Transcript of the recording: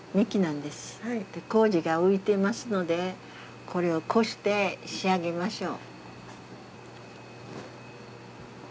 麹が浮いてますのでこれをこして仕上げましょう。